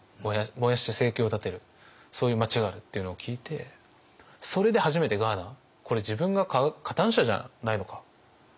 燃やして生計を立てるそういう町があるっていうのを聞いてそれで初めてガーナこれ自分が加担者じゃないのか強く思ってですね